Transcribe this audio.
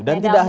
dan tidak hanya